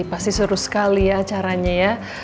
pasti seru sekali ya acaranya ya